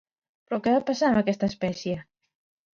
Però què va passar amb aquesta espècie?